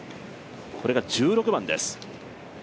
これが１６番です。